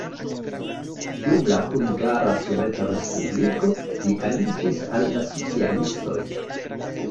Dum la Hungara Sovetrespubliko li aliĝis al la socialistoj.